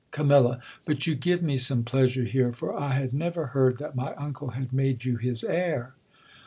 Cam, But you give me some pleasure here ; for I had never heard that my uncle had made you his heir.